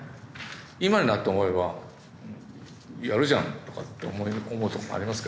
今になって思えば「やるじゃん」とかって思うとこもありますけど。